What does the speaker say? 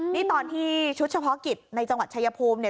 นี่ตอนที่ชุดเฉพาะกิจในจังหวัดชายภูมิเนี่ย